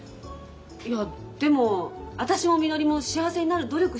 いやでも私もみのりも幸せになる努力したんです。